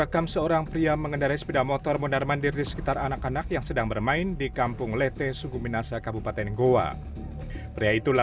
kamera sisi tv